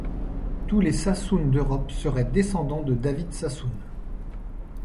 Tous les Sassoon d'Europe seraient descendants de David Sassoon.